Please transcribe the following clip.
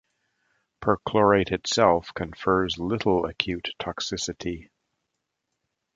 Perchlorate itself confers little acute toxicity.